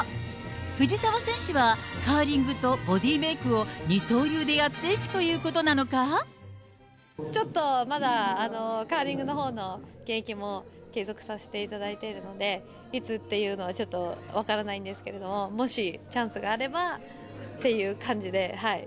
藤澤選手はカーリングとボディーメイクを二刀流でやっていくといちょっとまだ、カーリングのほうの現役も継続させていただいているので、いつっていうのはちょっと分からないんですけども、もしチャンスがあれば、っていう感じで。